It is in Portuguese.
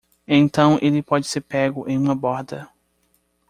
Então ele pode ser pego em uma borda!